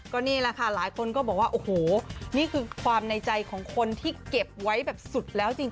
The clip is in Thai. ก็นี่แหละค่ะหลายคนก็บอกว่าโอ้โหนี่คือความในใจของคนที่เก็บไว้แบบสุดแล้วจริง